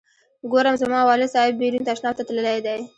ګورم زما والد صاحب بیرون تشناب ته تللی دی.